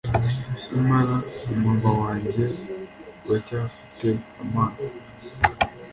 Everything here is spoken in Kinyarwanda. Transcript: Nyamara umunwa wanjye uracyafite amazi